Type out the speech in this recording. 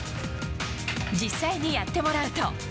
実際にやってもらうと。